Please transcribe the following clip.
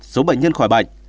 một số bệnh nhân khỏi bệnh